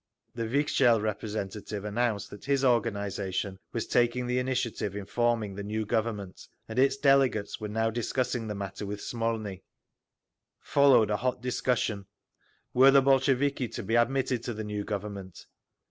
The Vikzhel representative announced that his organisation was taking the initiative in forming the new Government, and its delegates were now discussing the matter with Smolny…. Followed a hot discussion: were the Bolsheviki to be admitted to the new Government?